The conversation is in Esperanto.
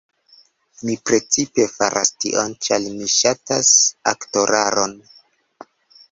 Mi precipe faras tion ĉar mi ŝatas aktoraron